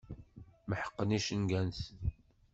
Meḥqen icenga-nsen.